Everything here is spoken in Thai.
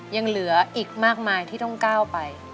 ยังเหลืออีกมากมายที่ต้องก้าวไป